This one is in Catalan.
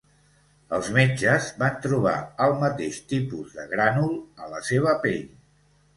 Els metges van trobar el mateix tipus de grànul a la seva pell.